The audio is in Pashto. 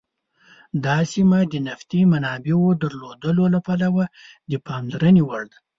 دا سیمه د نفتي منابعو درلودلو له پلوه د پاملرنې وړ ده.